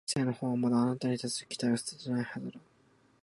人生のほうはまだ、あなたに対する期待を捨てていないはずだ